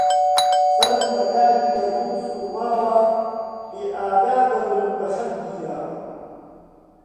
سەرم لە کاری گەردوون سوڕماوە بێئاگا و دەورم بە خەم گیراوە